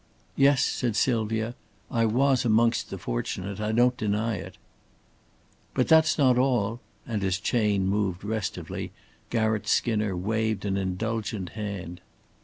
"Yes," said Sylvia. "I was amongst the fortunate. I don't deny it." "But that's not all," and as Chayne moved restively, Garratt Skinner waved an indulgent hand.